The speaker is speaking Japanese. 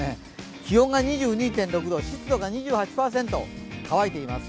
気温が２２．６度、湿度が２８％、乾いています。